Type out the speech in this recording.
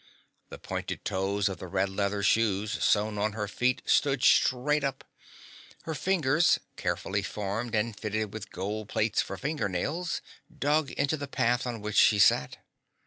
The pointed toes of the red leather shoes sewn on her feet stood straight up. Her fingers, carefully formed and fitted with gold plates for finger nails, dug into the path on which she sat.